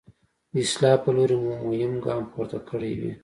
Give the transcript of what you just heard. د اصلاح په لوري مو مهم ګام پورته کړی وي.